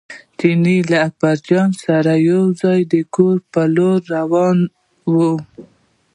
چیني له اکبرجان سره یو ځای د کور پر لور روان و.